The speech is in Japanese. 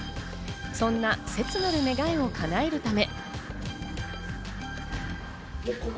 そんな切なる願いをかなえるため。